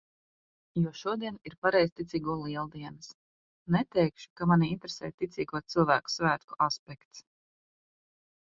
Jo šodien ir pareizticīgo Lieldienas. Neteikšu, ka mani interesē ticīgo cilvēku svētku aspekts.